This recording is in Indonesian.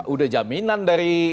udah jaminan dari